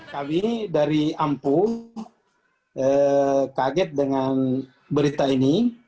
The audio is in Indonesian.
kami dari ampuh kaget dengan berita ini